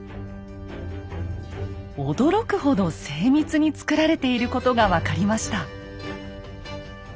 驚くほど精密につくられていることが分かりました。